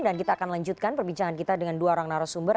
dan kita akan lanjutkan pembincangan kita dengan dua orang narasumber